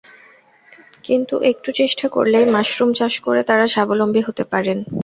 কিন্তু একটু চেষ্টা করলেই মাশরুম চাষ করে তাঁরা স্বাবলম্বী হতে পারেন।